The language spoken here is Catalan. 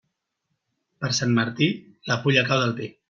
Per Sant Martí, la fulla cau del pi.